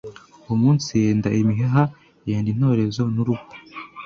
uwo munsi yenda imiheha yenda intorezo n'uruho